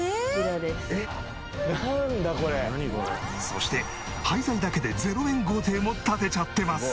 そして廃材だけで０円豪邸も建てちゃってます。